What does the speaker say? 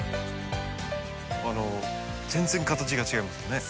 あの全然形が違いますよね。